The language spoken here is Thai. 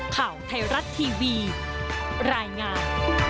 ข่าวไทยรัฐทีวีรายงาน